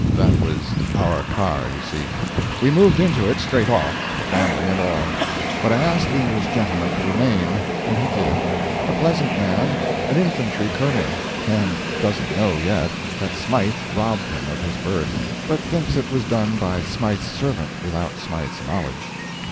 That was our car, you see. We moved into it, straight off, the family and all. But I asked the English gentleman to remain, and he did. A pleasant man, an infantry colonel; and doesn't know, yet, that Smythe robbed him of his berth, but thinks it was done by Smythe's servant without Smythe's knowledge.